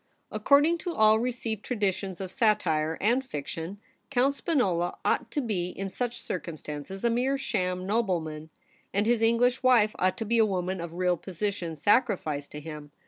According to all received traditions of satire and fiction, Count Spinola ought to be in such circumstances a mere sham nobleman, and his English wife ought to be a woman of real position sacrificed to him.